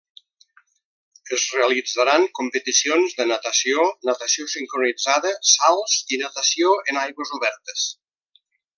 Es realitzaran competicions de natació, natació sincronitzada, salts i natació en aigües obertes.